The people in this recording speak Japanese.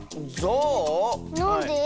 なんで？